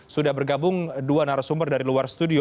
sudah bergabung dua narasumber dari luar studio